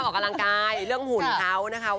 เเลืองขุนเแล้ว